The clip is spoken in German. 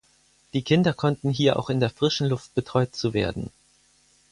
Die Kinder konnten hier auch in der frischen Luft betreut zu werden.